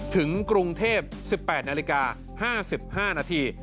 ถึงกรุงเทพ๑๘นาฬิกา๕๕นาที